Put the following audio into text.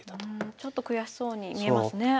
ちょっと悔しそうに見えますね。